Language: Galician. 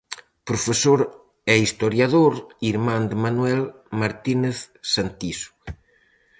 Profesor e historiador, irmán de Manuel Martínez Santiso.